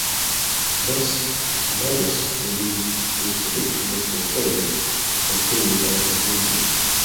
Thus, Ahmadis believe this prediction was fulfilled and continued by his movement.